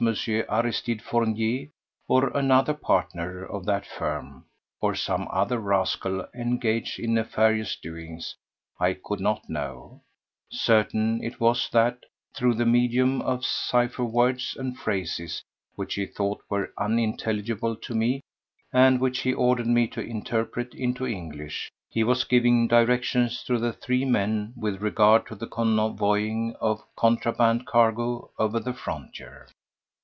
Aristide Fournier, or another partner of that firm, or some other rascal engaged in nefarious doings, I could not know; certain it was that through the medium of cipher words and phrases which he thought were unintelligible to me, and which he ordered me to interpret into English, he was giving directions to the three men with regard to the convoying of contraband cargo over the frontier.